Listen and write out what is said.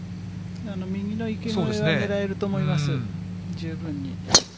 右の池越えは狙えると思います、十分に。